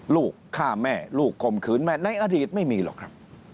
ลูกฆ่าแม่ลูกคมขืนแม่ในอดีตไม่มีหรอกครับ